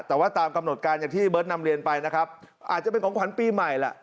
แต่ว่าตามกำหนดการที่วิทย์นำเรียนไปอาจจะเป็นของขวัญปีใหม่